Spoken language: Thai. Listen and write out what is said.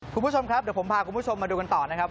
คุณผู้ชมครับเดี๋ยวผมพาคุณผู้ชมมาดูกันต่อนะครับ